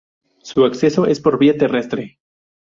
Su acceso es por vía terrestre.